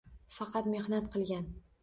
Faqat mehnat qilgan